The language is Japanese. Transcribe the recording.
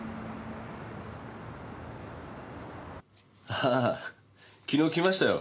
ああ昨日来ましたよ。